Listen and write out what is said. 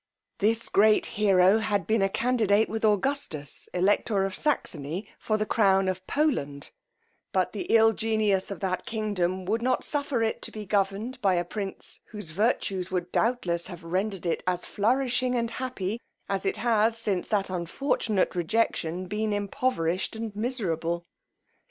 This great hero had been a candidate with Augustus, elector of Saxony, for the crown of Poland; but the ill genius of that kingdom would not suffer it to be governed by a prince whose virtues would doubtless have rendered it as flourishing and happy as it has since that unfortunate rejection been impoverished and miserable.